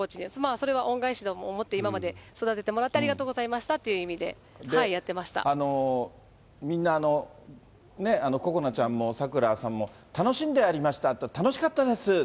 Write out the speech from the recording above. それは恩返しと思って、今まで育ててもらってありがとうございましたっていう意味でやっみんな、心那ちゃんもさくらさんも、楽しんでやりました、楽しかったです。